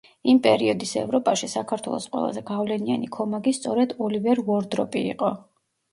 იმ პერიოდის ევროპაში, საქართველოს ყველაზე გავლენიანი ქომაგი სწორედ ოლივერ უორდროპი იყო.